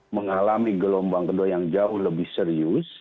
mengalami gelombang kedua yang jauh lebih serius